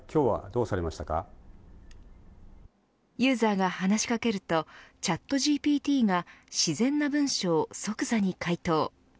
ユーザーが話し掛けるとＣｈａｔＧＰＴが自然な文章を即座に回答。